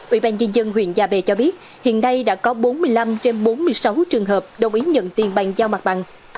ủy ban nhân dân huyện gia bè cho biết hiện nay đã có bốn mươi năm trên bốn mươi sáu trường hợp đồng ý nhận tiền bàn giao mặt bằng